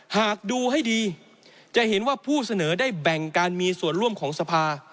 หากดูให้ดีจะเห็นว่าผู้เสนอได้แบ่งการมีส่วนร่วมของสภา